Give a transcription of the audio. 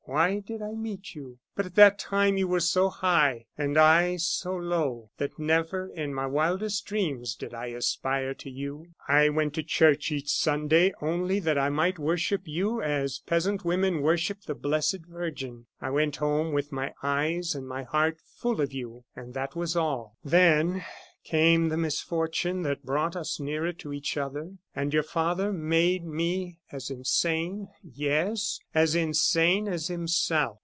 "Why did I meet you? But at that time you were so high, and I, so low, that never in my wildest dreams did I aspire to you. I went to church each Sunday only that I might worship you as peasant women worship the Blessed Virgin; I went home with my eyes and my heart full of you and that was all. "Then came the misfortune that brought us nearer to each other; and your father made me as insane, yes, as insane as himself.